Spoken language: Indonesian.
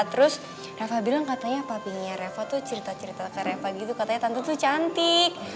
terus reva bilang katanya papinya reva tuh cerita cerita ke reva gitu katanya tante tuh cantik